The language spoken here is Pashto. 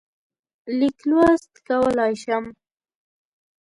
لیک لوست کولای شم.